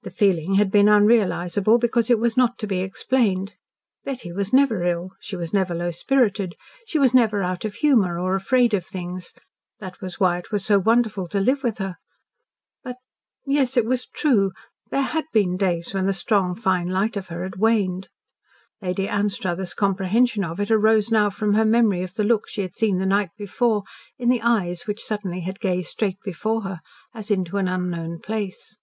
The feeling had been unrealisable, because it was not to be explained. Betty was never ill, she was never low spirited, she was never out of humour or afraid of things that was why it was so wonderful to live with her. But yes, it was true there had been days when the strong, fine light of her had waned. Lady Anstruthers' comprehension of it arose now from her memory of the look she had seen the night before in the eyes which suddenly had gazed straight before her, as into an unknown place.